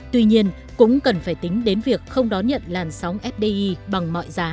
tuy nhiên cũng cần phải tính đến việc không đón nhận làn sóng fdi bằng mọi giá